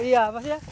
iya pak iya